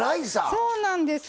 そうなんです。